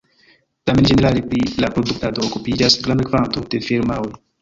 Tamen ĝenerale pri la produktado okupiĝas granda kvanto da firmaoj.